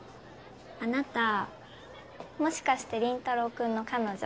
あなたもしかして林太郎君の彼女？